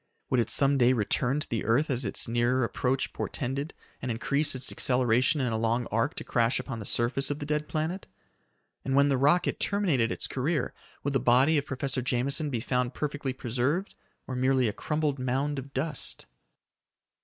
Would it some day return to the earth as its nearer approach portended, and increase its acceleration in a long arc to crash upon the surface of the dead planet? And when the rocket terminated its career, would the body of Professor Jameson be found perfectly preserved or merely a crumbled mound of dust?